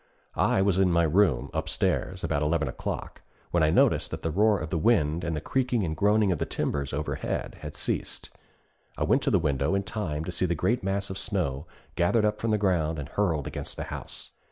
I was in my room, upstairs, about eleven o'clock, when I noticed that the roar of the wind and the creaking and groaning of the timbers overhead had ceased. I went to the window in time to see a great mass of snow gathered up from the ground and hurled against the house.